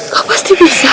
kau pasti bisa